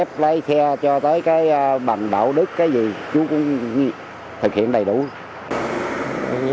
bảo đảm an toàn giao thông yêu cầu chủ doanh nghiệp cá nhân